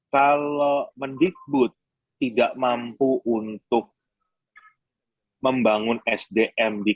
kalau mendikbud tidak mampu untuk membangun sdm di